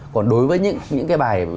còn đối với những cái bài